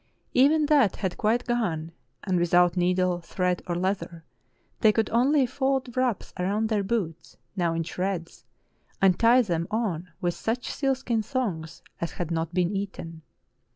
Even that had quite gone, and without needle, thread, or leather, they could only fold wraps around their boots, now in shreds, and tie them on with such seal skin thongs as had not been eaten.